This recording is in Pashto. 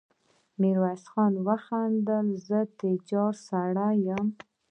ميرويس خان وخندل: زه تجار سړی يم.